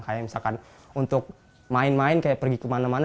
kayak misalkan untuk main main kayak pergi kemana mana